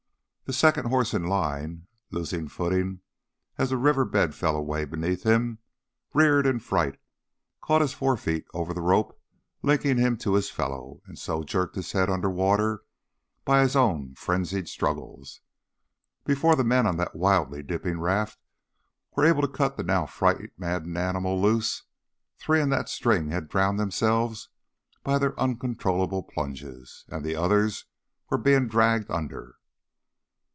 The second horse in line, losing footing as the river bed fell away beneath him, reared in fright, caught his forefeet over the rope linking him to his fellow, and so jerked his head underwater by his own frenzied struggles. Before the men on the wildly dipping raft were able to cut the now fright maddened animals loose, three in that string had drowned themselves by their uncontrolled plunges, and the others were being dragged under.